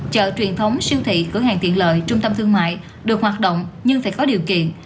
chợ truyền thống siêu thị cửa hàng tiện lợi trung tâm thương mại được hoạt động nhưng phải có điều kiện